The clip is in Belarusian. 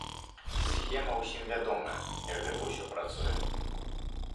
Схема ўсім вядомая, як гэта ўсё працуе.